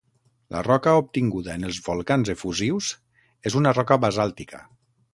La roca obtinguda en els volcans efusius és una roca basàltica.